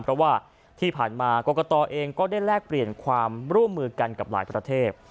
เพราะว่าที่ผ่านมากรกตเองก็ได้แลกเปลี่ยนความร่วมมือกันกับหลายประเทศ